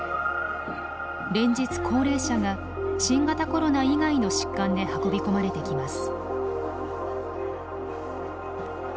連日高齢者が新型コロナ以外の疾患で運び込まれてきます。